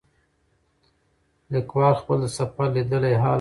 لیکوال خپل د سفر لیدلی حال بیان کړی.